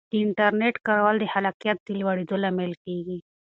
د انټرنیټ کارول د خلاقیت د لوړېدو لامل کیږي.